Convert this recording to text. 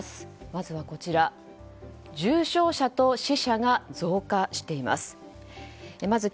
まずは、重症者と死者が増加しています。